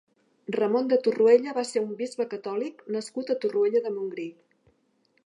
Ramon de Torroella va ser un bisbe catòlic nascut a Torroella de Montgrí.